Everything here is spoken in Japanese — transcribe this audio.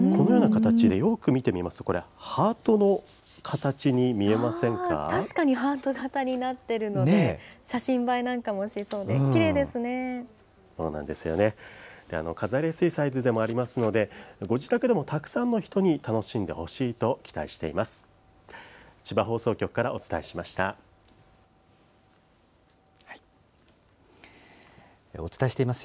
飾りやすいサイズでもありますので、ご自宅でもたくさんの人に楽しんでほしいと期待しています。